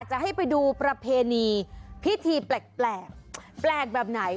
จะให้ไปดูประเพณีพิธีแปลกแปลกแบบไหน